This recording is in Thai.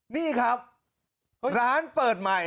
นี่ครับร้านเปิดใหม่